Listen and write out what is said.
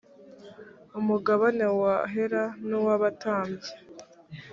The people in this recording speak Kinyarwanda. umugabane w’ahera n’uw’abatambyi